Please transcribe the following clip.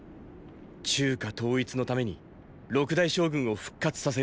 中華統一のために六大将軍を復活させると。